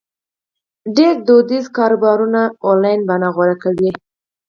ډېری دودیز کاروبارونه آنلاین بڼه غوره کوي.